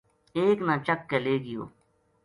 ایک نا چک کے لے گیو